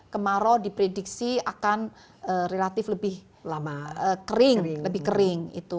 kemarau diprediksi akan relatif lebih kering